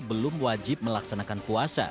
belum wajib melaksanakan puasa